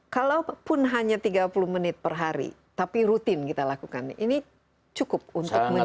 kalaupun hanya tiga puluh menit per hari tapi rutin kita lakukan ini cukup untuk mencari